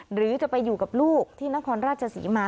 หรือจะไปอยู่กับลูกที่นครราชศรีมา